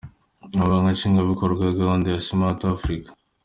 Umunyamabanga nshingwabikorwa wa gahunda ya Simati Afurika,